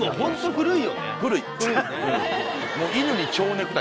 古い。